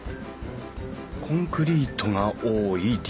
コンクリートが多い理由？